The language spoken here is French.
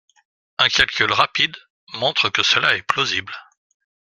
Un calcul rapide montre que cela est plausible.